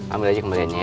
ambil aja kembaliannya ya